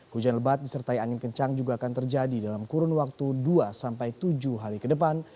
hujan lebat disertai angin kencang juga akan terjadi dalam kurun waktu dua sampai tujuh hari ke depan